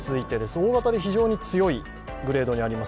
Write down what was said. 大型で非常に強いグレードであります